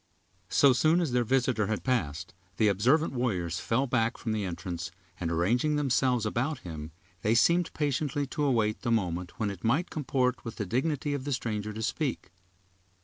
So soon as their visitor had passed, the observant warriors fell back from the entrance, and arranging themselves about him, they seemed patiently to await the moment when it might comport with the dignity of the stranger to speak.